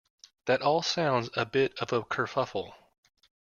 That all sounds a bit of a kerfuffle.